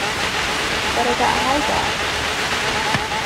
But it got hijacked.